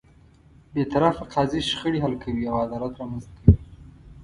بېطرفه قاضی شخړې حل کوي او عدالت رامنځته کوي.